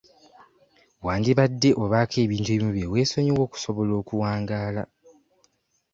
Wandibadde obaako ebintu ebimu bye weesonyiwa okusobola okuwangaala.